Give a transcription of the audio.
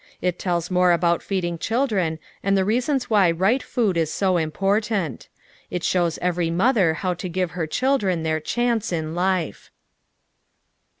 It tells mora about feeding children and the reasons why right food is so important. It shows every mother how to give her children their chance in life.